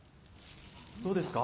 どうですか？